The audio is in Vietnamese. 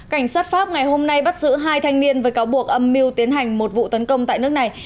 cảnh sát pháp ngày hôm nay bắt giữ hai thanh niên với cáo buộc âm mưu tiến hành một vụ tấn công tại nước này